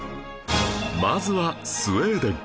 まずはスウェーデン